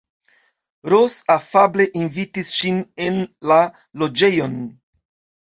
Ros afable invitis ŝin en la loĝejon.